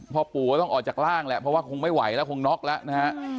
พ่อปู่ก็ต้องออกจากร่างแหละเพราะว่าคงไม่ไหวแล้วคงน็อกแล้วนะฮะ